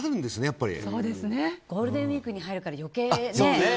ゴールデンウィークに入るから余計ね。